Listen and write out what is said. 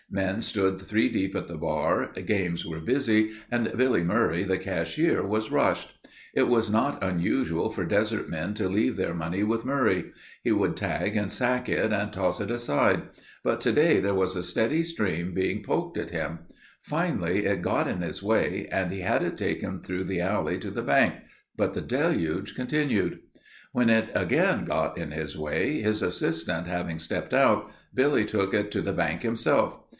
Men stood three deep at the bar, games were busy and Billy Murray, the cashier was rushed. It was not unusual for desert men to leave their money with Murray. He would tag and sack it and toss it aside, but today there was a steady stream being poked at him. Finally it got in his way and he had it taken through the alley to the bank, but the deluge continued. When it again got in his way, his assistant having stepped out, Billy took it to the bank himself.